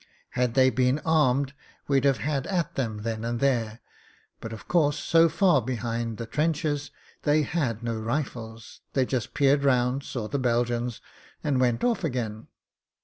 Had they been armed we'd have had at them then and there ; but, of course, so far behind the trenches, they had no rifles. They just peered round, saw the Belgians, and went off again.